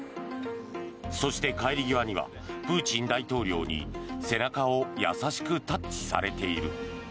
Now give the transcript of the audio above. そして帰り際にはプーチン大統領に背中を優しくタッチされている。